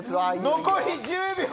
残り１０秒！